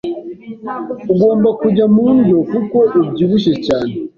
Ugomba kujya mu ndyo kuko ubyibushye cyane.